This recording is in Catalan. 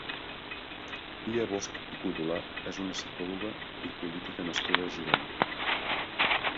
Pia Bosch i Codolà és una psicòloga i política nascuda a Girona.